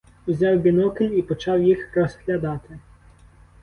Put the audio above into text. Узяв бінокль і почав їх розглядати.